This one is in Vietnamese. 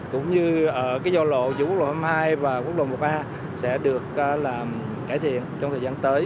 và cái giao lộ giữa quốc lộ hai mươi hai và quốc lộ một mươi ba sẽ được làm cải thiện trong thời gian tới